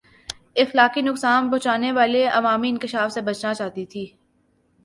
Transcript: اخلاقی نقصان پہچانے والے عوامی انکشاف سے بچنا چاہتی تھِی